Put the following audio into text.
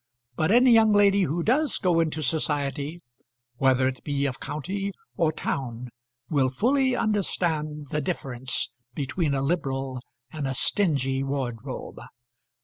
But any young lady who does go into society, whether it be of county or town, will fully understand the difference between a liberal and a stingy wardrobe.